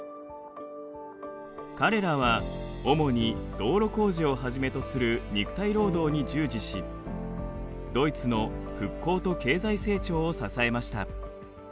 彼らは主に道路工事をはじめとする肉体労働に従事しドイツの復興と経済成長を支えました。